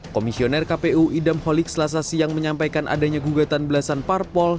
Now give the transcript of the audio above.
komisioner kpu idam holik selasa siang menyampaikan adanya gugatan belasan parpol